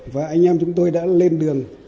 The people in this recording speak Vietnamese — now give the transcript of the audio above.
và anh em chúng tôi đã lên đường